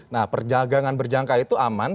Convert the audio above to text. nah perdagangan berjangka itu aman